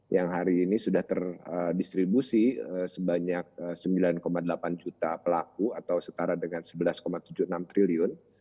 yang hari ini sudah terdistribusi sebanyak sembilan delapan juta pelaku atau setara dengan sebelas tujuh puluh enam triliun